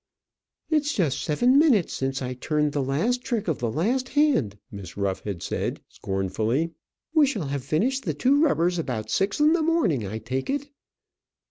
"It's just seven minutes since I turned the last trick of the last hand," Miss Ruff had said, scornfully. "We shall have finished the two rubbers about six in the morning, I take it."